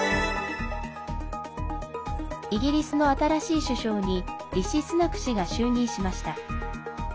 イギリスの新しい首相にリシ・スナク氏が就任しました。